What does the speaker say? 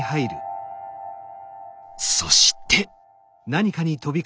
そして。